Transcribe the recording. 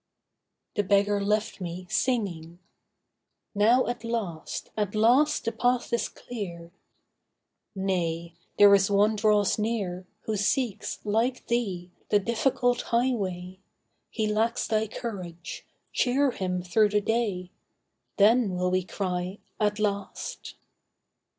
The beggar left me singing. 'Now at last— At last the path is clear.' 'Nay, there is one draws near Who seeks, like thee, the difficult highway. He lacks thy courage; cheer him through the day Then will we cry, "At last!"